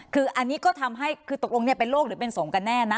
คืออันนี้ก็ทำให้คือตกลงเป็นโรคหรือเป็นสงฆ์กันแน่นะ